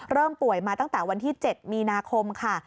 ป่วยมาตั้งแต่วันที่๗มีนาคมค่ะ